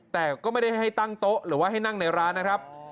แต่ก็ไม่ได้ให้ตั้งโต๊ะหรือว่าให้นั่งในร้านนะครับ